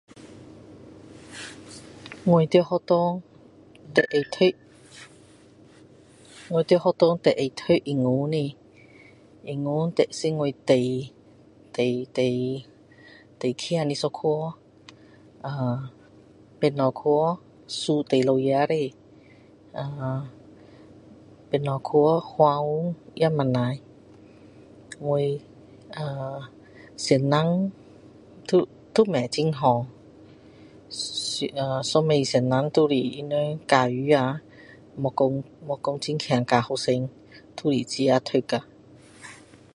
我在学校最爱读我在学校最爱读英文的英文是我最最最最棒的一科呃其它科账最老牙的呃别个科华语也不错我呃老师都都不很好以以前老师都是他们教书啊没说没说很厉害教学生都是自己读啊